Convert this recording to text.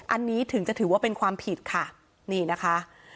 อันนี้ถึงจะถือว่าเป็นความผิดค่ะนี่นะคะ